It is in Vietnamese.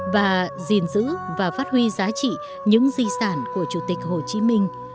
và gìn giữ và phát huy giá trị những di sản của chủ tịch hồ chí minh